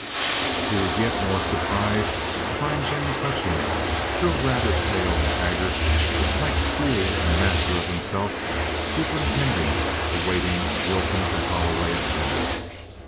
He was yet more surprised to find James Hutchings, still rather pale and haggard, but quite cool and master of himself, superintending the waiting of Wilkins and Holloway at dinner.